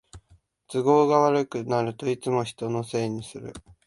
都合が悪くなるといつも人のせいにする